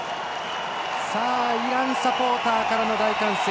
イランサポーターからの大歓声。